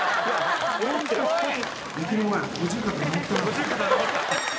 五十肩治ったな。